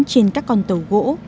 trên các con tàu gỗ